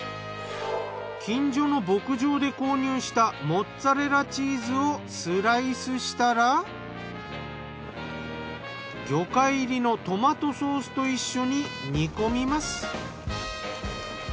近所の牧場で購入したモッツァレラチーズをスライスしたら魚介入りのトマトソースと一緒に煮込みます。